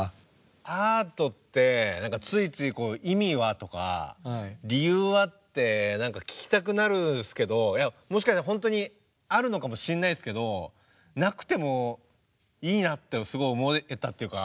アートってついついこう「意味は？」とか「理由は？」って何か聞きたくなるんですけどもしかしたらほんとにあるのかもしれないですけどなくてもいいなってすごい思えたっていうか。